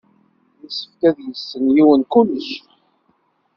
Yessefk ad yessen yiwen kullec.